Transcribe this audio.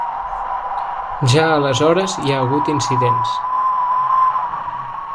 Ja aleshores hi ha hagut incidents.